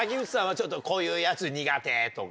ちょっとこういうやつ苦手とか。